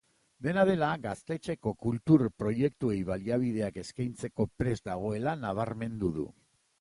Dena dela, gaztetxeko kultur proiektuei baliabideak eskaintzeko prest dagoela nabarmendu du.